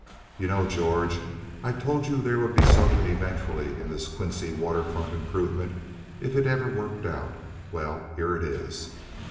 "You know, George, I told you there would be something eventually in the Quincy water front improvement if it ever worked out. Well, here it is.